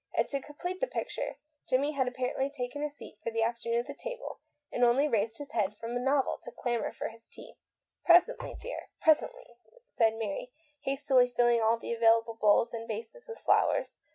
And to complete the picture Jimmie had appa rently taken a seat for the afternoon at the table, and only raised his head from a story book to clamour for his tea. "Presently, dear, presently," said Mary, hastily filling all the available bowls and vases with flowers.